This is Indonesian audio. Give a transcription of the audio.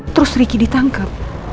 terus ricky ditangkep